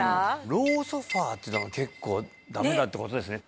ローソファーって結構ダメだってことですね